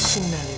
tidak ada lagi